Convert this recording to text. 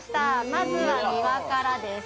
まずは庭からです